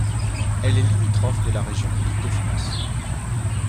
Elle est limitrophe de la région Île-de-France.